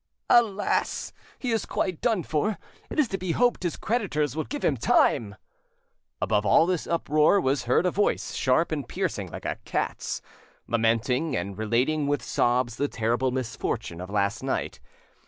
"Alas! he is quite done for; it is to be hoped his creditors will give him time!" Above all this uproar was heard a voice, sharp and piercing like a cat's, lamenting, and relating with sobs the terrible misfortune of last night.